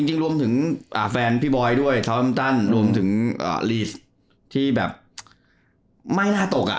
จริงรวมถึงแฟนพี่บอยด้วยทอมตันรวมถึงลีสที่แบบไม่น่าตกอ่ะ